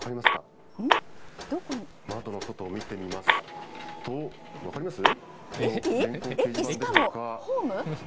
窓の外見てみますと、分かります？